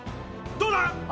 どうだ？